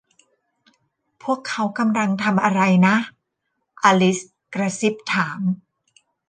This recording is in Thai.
พวกเขากำลังทำอะไรนะ อลิซกระซิบถาม